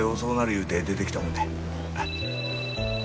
言うて出てきたもんで